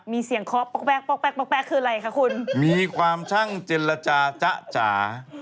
มีเสียงคอบป๊อกป๊อกคืออะไรคะคุณมีความชั่งเจรจาจ๊ะจ้า